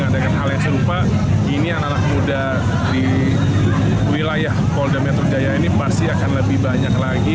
dengan hal yang serupa ini anak anak muda di wilayah polda metro jaya ini pasti akan lebih banyak lagi